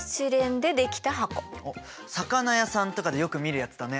おっ魚屋さんとかでよく見るやつだね。